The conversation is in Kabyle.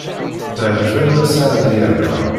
Teɛjeb-am Nna Seɛdiya, naɣ?